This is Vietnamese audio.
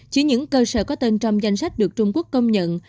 chỉ những cơ sở có tên trong danh sách được trung quốc công nhận